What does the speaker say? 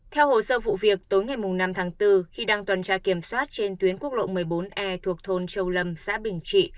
theo hồ sơ vụ việc tối ngày năm tháng bốn khi đang tuần tra kiểm soát trên tuyến quốc lộ một mươi bốn e thuộc thôn châu lâm xã bình trị